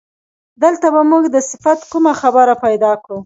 دلته به موږ د صفت کومه خبره پیدا کړو.